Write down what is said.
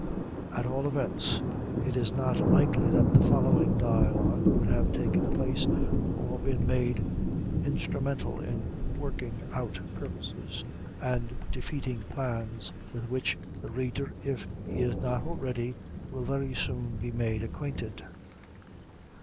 At all events it is not likely that the following dialogue would have ever taken place, or been made instrumental in working out purposes, and defeating plans, with which the reader, if he is not already, will very soon be made acquainted.